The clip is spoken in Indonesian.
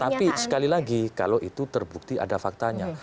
tapi sekali lagi kalau itu terbukti ada faktanya